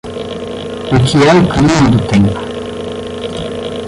O que é o clima do tempo?